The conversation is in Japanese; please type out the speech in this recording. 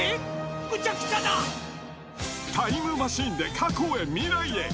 タイムマシンで過去や未来へ。